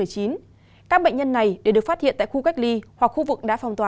các bệnh nhân này đều được phát hiện tại khu cách ly hoặc khu vực đã phòng tỏa